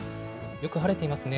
よく晴れていますね。